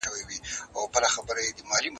اوس